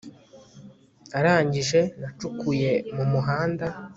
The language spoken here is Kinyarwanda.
arangije nacukuye mumuhanda